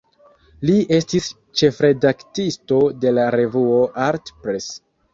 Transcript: Li estis ĉefredaktisto de la revuo "Art Press".